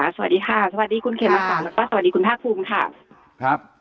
สวัสดีค่ะสวัสดีคุณเขมรฟังและสวัสดีคุณภาคภูมิค่ะ